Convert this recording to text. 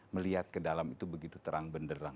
melihat ke dalam itu begitu terang benderang